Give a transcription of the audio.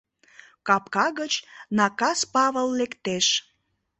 Капка гыч Накас Павыл лектеш.